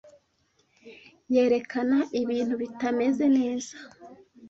Yerekana ibintu bitameze neza.